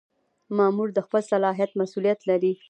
مامور د خپل صلاحیت مسؤلیت لري.